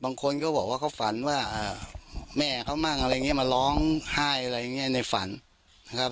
บางคนก็บอกว่าเขาฝันว่าแม่เขามั่งอะไรอย่างนี้มาร้องไห้อะไรอย่างนี้ในฝันนะครับ